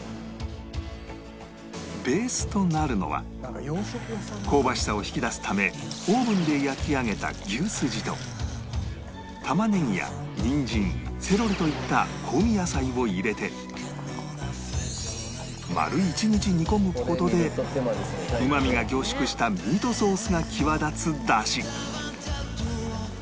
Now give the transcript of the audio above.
ベースとなるのは香ばしさを引き出すためオーブンで焼き上げた牛すじと玉ねぎやニンジンセロリといった香味野菜を入れて丸一日煮込む事でうまみが凝縮したミートソースが際立つだし